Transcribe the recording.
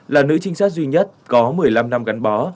là nữ trinh sát duy nhất có một mươi năm năm gắn bó